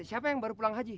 siapa yang baru pulang haji